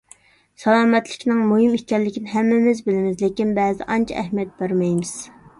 سالامەتلىكنىڭ مۇھىم ئىكەنلىكىنى ھەممىمىز بىلىمىز، لېكىن بەزىدە ئانچە ئەھمىيەت بەرمەيمىز.